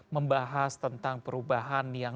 membahas tentang perubahan yang